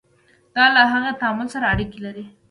دا له هغې تعامل سره اړیکه لري.